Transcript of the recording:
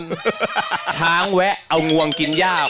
ช้างแวะเอางวงกินย่า